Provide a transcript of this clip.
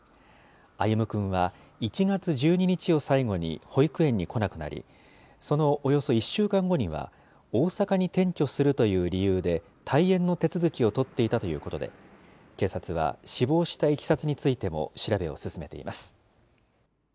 歩夢くんは１月１２日を最後に保育園に来なくなり、そのおよそ１週間後には、大阪に転居するという理由で、退園の手続きを取っていたということで、警察は死亡したいきさつについても調べを進めています。